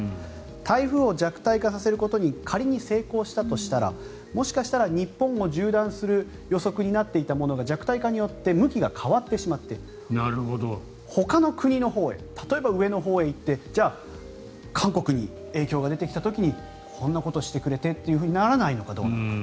台風を弱体化させることに仮に成功したとしたらもしかしたら日本を縦断する予測になっていたものが弱体化によって向きが変わってしまってほかの国のほうへ例えば上のほうへ行ってじゃあ韓国に影響が出てきた時にこんなことしてくれてとならないのかどうか。